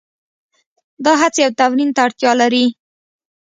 دا هڅې او تمرین ته اړتیا لري.